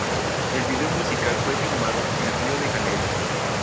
El vídeo musical fue filmado en Río de Janeiro.